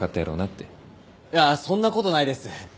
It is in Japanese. いやそんなことないです。